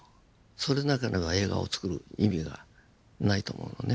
それでなければ映画をつくる意味がないと思うのね。